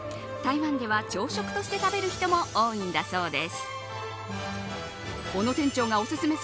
台湾では朝食として食べる人も多いんだそうです。